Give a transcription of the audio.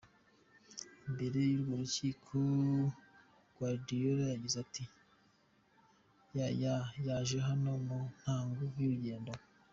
Imbere y'urwo rukino, Guardiola yagize ati: "Yaya yaje hano mu ntango y'urugendo.